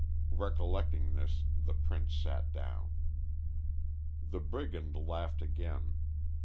Recollecting this, the Prince sat down. The brigand laughed again.